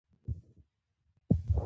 هم دوستان او هم دښمنان.